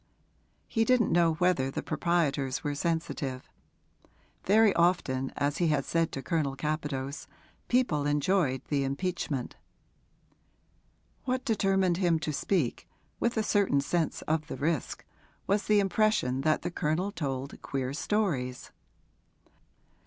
He didn't know whether the proprietors were sensitive; very often, as he had said to Colonel Capadose, people enjoyed the impeachment. What determined him to speak, with a certain sense of the risk, was the impression that the Colonel told queer stories.